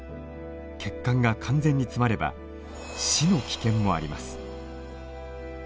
血管が完全に詰まれば死の危険もあります。